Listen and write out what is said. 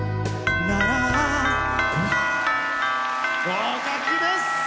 合格です！